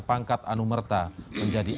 pangkat anumerta menjadi